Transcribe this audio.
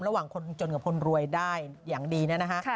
ระหว่างคนจนกับคนรวยได้อย่างดีเนี่ยนะฮะ